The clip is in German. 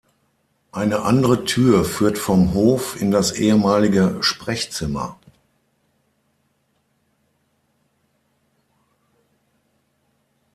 Eine andere Tür führt vom Hof in das ehemalige Sprechzimmer.